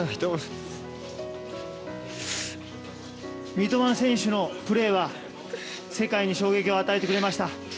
三笘選手のプレーは世界に衝撃を与えてくれました。